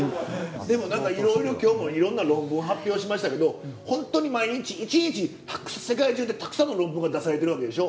でもなんかいろいろ今日もいろんな論文発表しましたけどほんとに毎日１日世界中でたくさんの論文が出されてるわけでしょ？